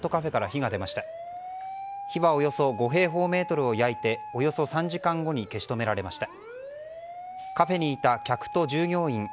火はおよそ５平方メートルを焼いておよそ３時間後に消し止められました。